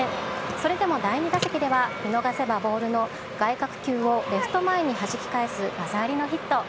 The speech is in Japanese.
それでも第２打席では見逃せばボールの外角球をレフト前にはじき返す技ありのヒット。